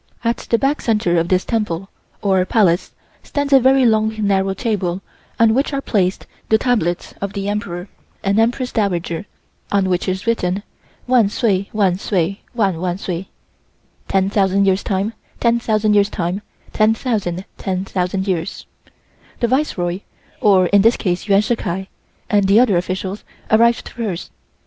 At the back centre of this Temple, or Palace, stands a very long narrow table on which are placed the tablets of the Emperor and Empress Dowager, on which is written, "Wan sway, wan sway, wan wan sway" (10,000 years times 10,000 years times 10,000 10,000 years). The Viceroy, or in this case Yuan Shih Kai, and the other officials arrived first.